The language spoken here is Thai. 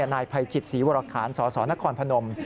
นายไพจิตศรีวรรคฐานสสนครพนม